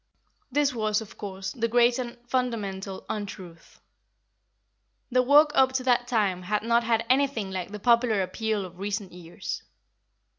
(This was, of course, the great and fundamental untruth. The work up to that time had not had anything like the popular appeal of recent years.)